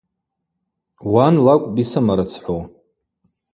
Уан лакӏвпӏ йсымарыцхӏу.